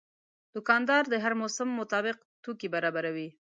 دوکاندار د هر موسم مطابق توکي برابروي.